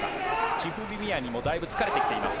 チフビミアニもだいぶ疲れてきています。